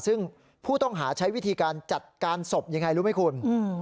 ซึ่งผู้ต้องหาใช้วิธีการจัดการศพยังไงรู้ไหมคุณ